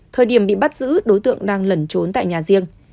thời điểm bị bắt giữ đối tượng đang lẩn trốn tại nhà riêng